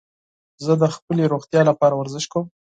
زه د خپلې روغتیا لپاره ورزش کوم.